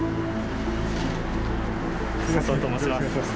佐藤と申します。